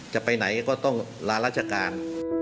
จะไปไหนก็ต้องลาราชการ